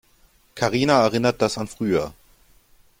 Karina erinnert das an früher.